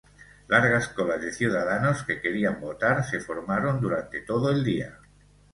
Largas colas de ciudadanos que querían votar se formaron durante todo el día.